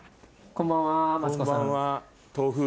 こんばんは。